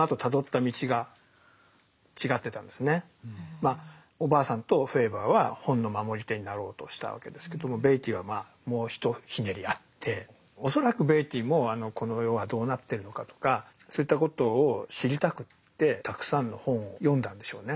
まあおばあさんとフェーバーは本の守り手になろうとしたわけですけどもベイティーはもう一ひねりあって恐らくベイティーもこの世はどうなってるのかとかそういったことを知りたくってたくさんの本を読んだんでしょうね。